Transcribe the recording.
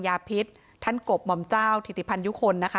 ยาพิษท่านกบหม่อมเจ้าถิติพันยุคลนะคะ